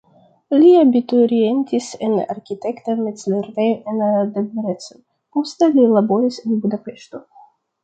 Li abiturientis en arkitekta mezlernejo en Debrecen, poste li laboris en Budapeŝto.